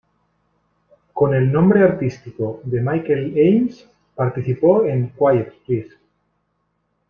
Con el nombre artístico de Michael Ames, participó en "Quiet, Please!